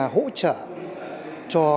hỗ trợ cho